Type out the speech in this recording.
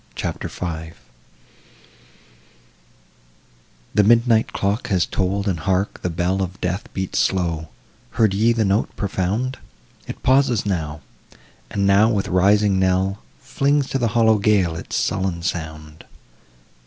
CHAPTER V The midnight clock has toll'd; and hark, the bell Of death beats slow! heard ye the note profound? It pauses now; and now with rising knell Flings to the hollow gale its sullen sound.